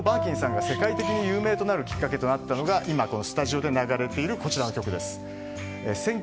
そのバーキンさんが世界的に有名となるきっかけとなったのが今、スタジオで流れている曲